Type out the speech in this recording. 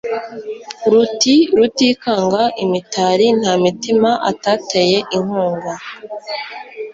Ruti rutikanga imitariNta mitima atateye inkunga;